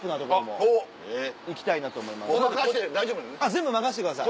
全部任せてください。